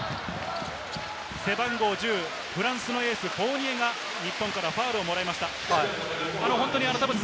背番号１０、フランスのエース、フォーニエが日本からファウルをもらいました。